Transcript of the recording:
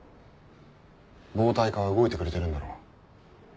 暴対課は動いてくれてるんだろ？